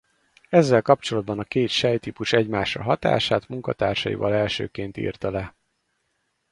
Ezzel kapcsolatban a két sejt-típus egymásra hatását munkatársaival elsőként írta le.